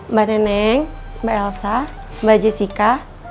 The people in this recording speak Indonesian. mbak neneng mbak elsa mbak jessica